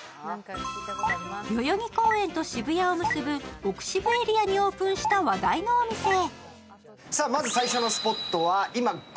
代々木公園と渋谷を結ぶ奥渋エリアにオープンした話題のお店へ。